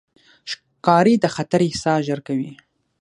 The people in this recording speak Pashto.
ښکاري د خطر احساس ژر کوي.